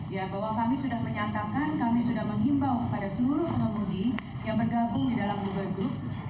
ya bahwa kami sudah menyatakan kami sudah menghimbau kepada seluruh pengemudi yang bergabung di dalam google group